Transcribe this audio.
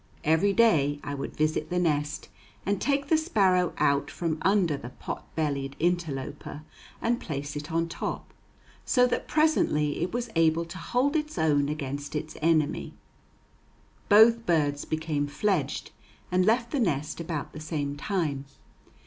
Every day I would visit the nest and take the sparrow out from under the potbellied interloper, and place it on top, so that presently it was able to hold its own against its enemy. Both birds became fledged and left the nest about the same time.